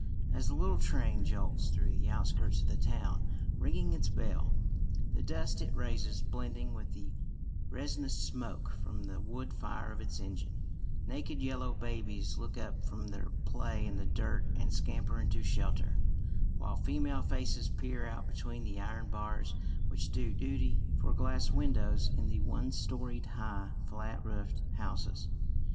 As the little train jolts through the outskirts of the town, ringing its bell, the dust it raises blending with the resinous smoke from the wood fire of its engine, naked yellow babies look up from their play in the dirt and scamper into shelter, while female faces peer out between the iron bars which do duty for glass windows in the one storeyed high flat roofed houses.